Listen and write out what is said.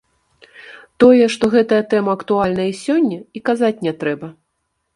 Тое, што гэтая тэма актуальная і сёння, і казаць не трэба.